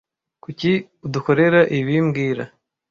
Kuki udukorera ibi mbwira